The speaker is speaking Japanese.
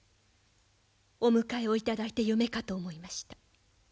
お迎えをいただいて夢かと思いました。